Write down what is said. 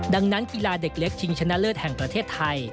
ดังนั้นกีฬาเด็กเล็กชิงชนะเลิศแห่งประเทศไทย